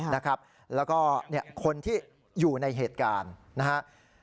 แล้วก็คนที่อยู่ในเหตุการณ์นะครับ